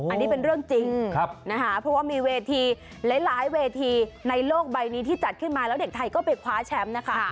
อันนี้เป็นเรื่องจริงนะคะเพราะว่ามีเวทีหลายเวทีในโลกใบนี้ที่จัดขึ้นมาแล้วเด็กไทยก็ไปคว้าแชมป์นะคะ